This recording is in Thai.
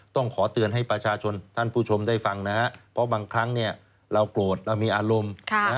ต้องขอเตือนให้ประชาชนท่านผู้ชมได้ฟังนะครับเพราะบางครั้งเราโกรธเรามีอารมณ์